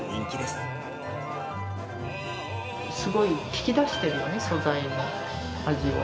すごい引き出してるよね、素材の味を。